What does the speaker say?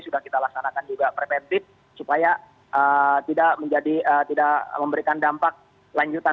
sudah kita laksanakan juga preventif supaya tidak memberikan dampak lanjutan